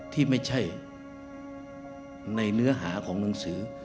ที่ไม่ใช่ในเนื้อหาของหนังสือ